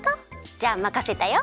じゃあまかせたよ。